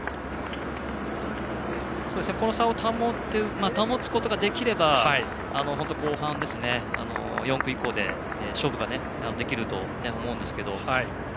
この差を保つことができれば後半の４区以降で勝負ができると思うんですけどね。